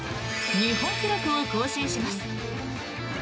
日本記録を更新します。